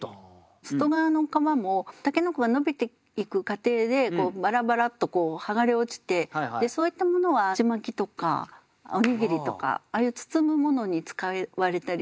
外側の皮も筍が伸びていく過程でバラバラッと剥がれ落ちてそういったものはちまきとかおにぎりとかああいう包むものに使われたりします。